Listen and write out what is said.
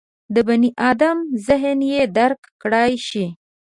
د بني ادم ذهن یې درک کړای شي.